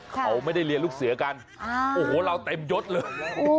เขาไม่ได้เรียนลูกเสือกันโอ้โหเราเต็มยดเลย